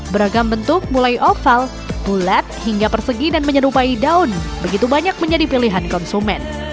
beragam bentuk mulai oval bulat hingga persegi dan menyerupai daun begitu banyak menjadi pilihan konsumen